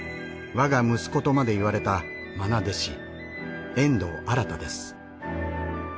我が息子とまで言われたまな弟子遠藤新です。